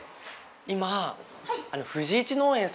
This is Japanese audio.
今。